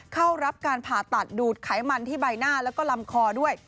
เข้ารับการผ่าตัดดูดไขมันที่ใบหน้าแล้วก็ลำคอด้วย